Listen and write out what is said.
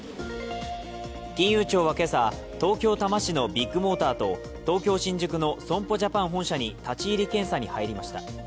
金融庁は今朝、東京・多摩市のビッグモーターと東京・新宿の損保ジャパン本社に立ち入り検査に入りました。